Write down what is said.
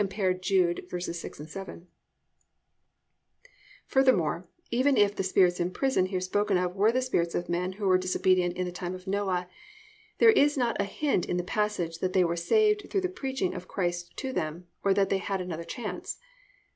Jude 6, 7). (2) Furthermore, even if "the spirits in prison" here spoken of were the spirits of men who were disobedient in the time of Noah, there is not a hint in the passage that they were saved through the preaching of Christ to them, or that they had another chance.